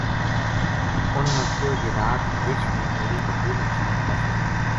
اُنھ نا کہیو جے رات رچھ نے میری بکری نُقصان کر چھُری